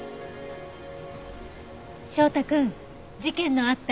翔太くん事件のあった